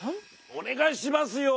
お願いしますよ。